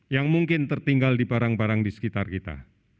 yang mungkin tertinggal di barang barang di sekitar kita